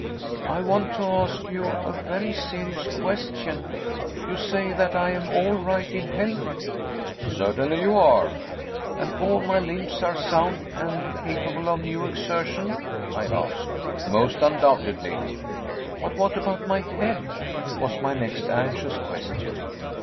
"I want to ask you a very serious question. You say that I am all right in health?" "Certainly you are." "And all my limbs are sound and capable of new exertion?" I asked. "Most undoubtedly." "But what about my head?" was my next anxious question.